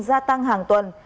gia tăng hàng tuần